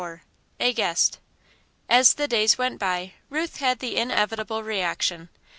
A Guest As the days went by, Ruth had the inevitable reaction.